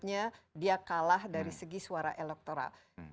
artinya dia kalah dari segi suara elektoral